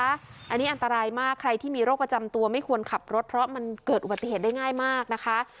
อันนี้อันตรายมากใครที่มีโรคประจำตัวไม่ควรขับรถเพราะมันเกิดอุบัติเหตุได้ง่ายมากนะคะ